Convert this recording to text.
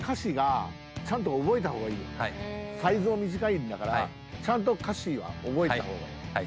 サイズも短いんだからちゃんと歌詞は覚えた方がいい。